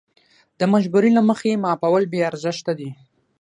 د مجبورۍ له مخې معافول بې ارزښته دي.